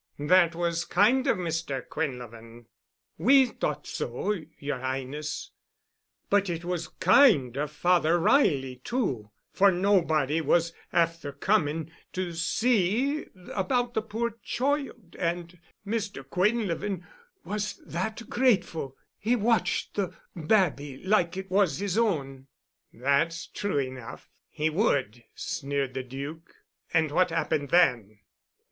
"That was kind of Mr. Quinlevin." "We thought so—yer Highness—but it was kind of Father Reilly too—for nobody was afther coming to see about the poor choild and Mr. Quinlevin was that grateful—he watched the babby like it was his own——" "That's true enough. He would," sneered the Duc. "And what happened then?"